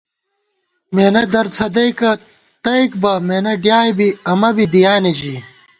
مېنہ در څھدَئیکہ تئیک بہ، مېنہ ڈیائے بی امہ بی دِیانےژِی